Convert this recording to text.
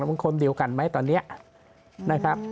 มันคนเดียวกันไหมตอนนี้นะครับ